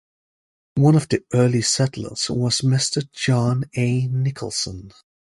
One of the early settlers was Mr. John A. Nicholson.